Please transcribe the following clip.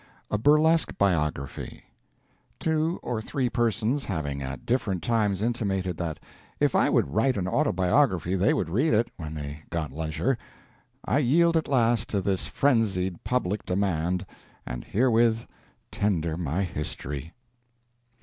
A BURLESQUE BIOGRAPHY Two or three persons having at different times intimated that if I would write an autobiography they would read it when they got leisure, I yield at last to this frenzied public demand and herewith tender my history.